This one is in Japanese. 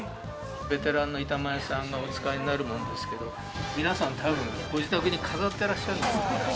ベテランの板前さんがお使いになるものですけど皆さん多分ご自宅に飾ってらっしゃる。